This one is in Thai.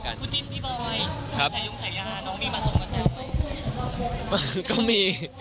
คุณจิ๊บพี่บ่ายสายยุ่งสายยาน้องมีมาส่งกับแซ่วไหม